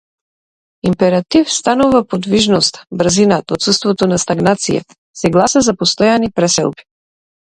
Императив станува подвижноста, брзината, отуството на стагнација, се гласа за постојани преселби.